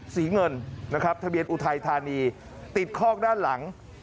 เงินนะครับทะเบียนอุทัยธานีติดคอกด้านหลัง